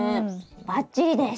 バッチリです。